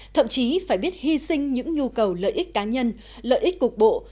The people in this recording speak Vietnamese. thậm chí phải biết hy sinh những nhu cầu lợi ích cá nhân lợi ích cục bộ